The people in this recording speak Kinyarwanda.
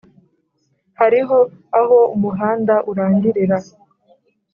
hariho aho umuhanda urangirira